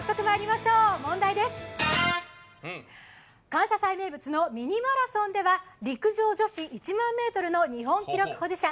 「感謝祭」名物の「ミニマラソン」では陸上女子１００００ｍの日本記録保持者